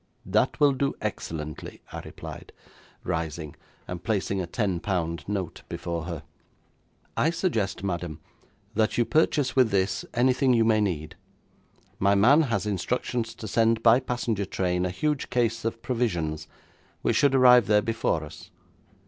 'That will do excellently,' I replied, rising, and placing a ten pound note before her. 'I suggest, madam, that you purchase with this anything you may need. My man has instructions to send by passenger train a huge case of provisions, which should arrive there before us.